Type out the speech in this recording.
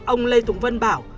ông lê tùng vân bảo